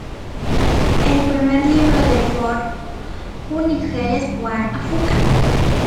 El primer libro de Ford, "Who in Hell is Wanda Fuca?